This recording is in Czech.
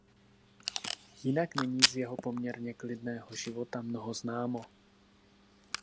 Jinak není z jeho poměrně klidného života mnoho známo.